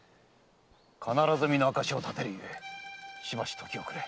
必ず身の証しを立てるゆえしばし時をくれ。